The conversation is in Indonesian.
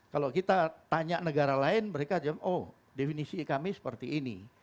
kalau kita tanya negara lain mereka oh definisi kami seperti ini